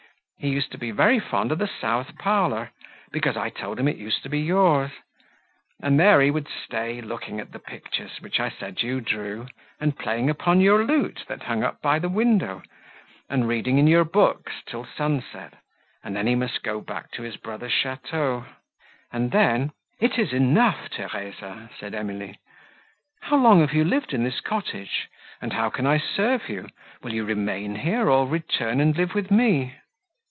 He used to be very fond of the south parlour, because I told him it used to be yours; and there he would stay, looking at the pictures, which I said you drew, and playing upon your lute, that hung up by the window, and reading in your books, till sunset, and then he must go back to his brother's château. And then—" "It is enough, Theresa," said Emily.—"How long have you lived in this cottage—and how can I serve you? Will you remain here, or return and live with me?"